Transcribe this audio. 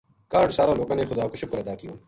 کاہڈ سارا لوکاں نے خدا کو شُکر ادا کیو